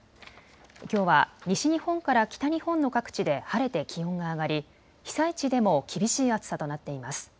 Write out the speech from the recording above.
きょうは西日本から北日本の各地で晴れて気温が上がり被災地でも厳しい暑さとなっています。